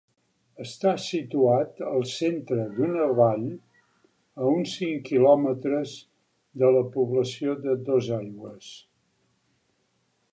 Està situat al centre d'una vall a uns cinc quilòmetres de la població de Dosaigües.